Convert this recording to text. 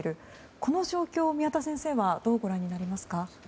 この状況を宮田先生はどうご覧になりますか。